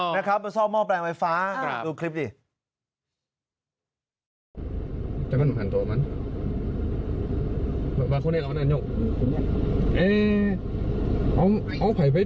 มาซ่อมหม้อแปลงไฟฟ้าดูคลิปดิ